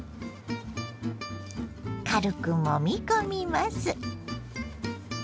軽くもみ込みます。